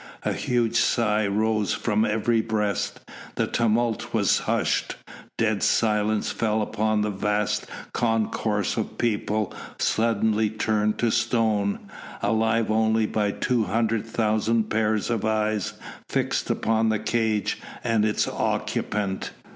A huge sigh rose from every breast. The tumult was hushed; dead silence fell upon the vast concourse of people suddenly turned to stone, alive only by two hundred thousand pairs of eyes fixed upon the cage and its occupant.